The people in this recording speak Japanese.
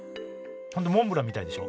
本当モンブランみたいでしょ？